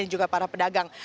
dan juga para pedagang